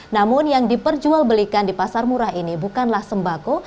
namun yang diperjualbelikan di pasar murah ini bukanlah sembako